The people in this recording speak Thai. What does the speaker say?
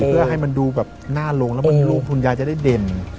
เพื่อให้มันได้ดูหน้าลงแล้วมันลุงคุณยายจะได้เด่น